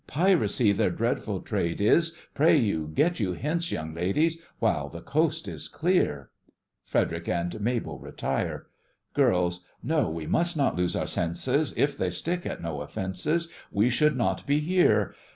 Piracy their dreadful trade is; Pray you, get you hence, young ladies, While the coast is clear (FREDERIC and MABEL retire) GIRLS: No, we must not lose our senses, If they stick at no offences We should not be here!